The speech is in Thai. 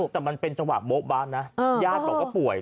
แต่มันเป็นจังหวะโบ๊ะบ้านนะญาติบอกว่าป่วย